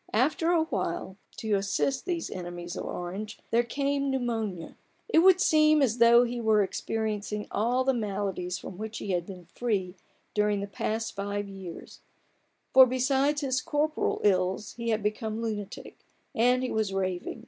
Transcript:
After a while, to assist these enemies of Orange, there came pneumonia. It would seem as though he were experiencing all the maladies from which he had been free during the past five years ; for besides his corporal ills he had become lunatic, and he was raving.